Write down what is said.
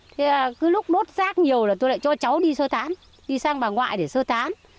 thế cứ lúc đốt rác nhiều là tôi lại cho cháu đi sơ tán đi sang bà ngoại để sơ tán